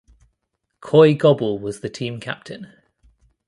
Coy Gobble was the team captain.